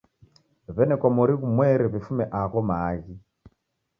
W'enekwa mori ghumweri w'ifume agho maaghi.